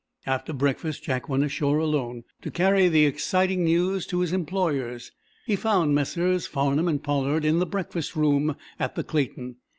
After breakfast Jack went ashore alone, to carry the exciting news to his employers. He found Messrs. Farnum and Pollard in the breakfast room at the Clayton.